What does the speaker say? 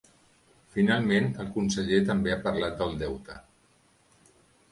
Finalment, el conseller també ha parlat del deute.